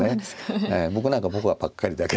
僕なんかポカばっかりだけども。